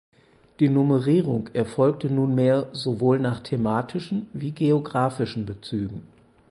Die Nummerierung erfolgte nunmehr sowohl nach thematischen wie geographischen Bezügen.